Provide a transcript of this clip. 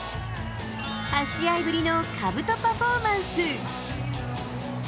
８試合ぶりのかぶとパフォーマンス。